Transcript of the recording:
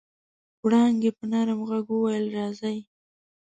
وړانګې په نرم غږ وويل راځئ.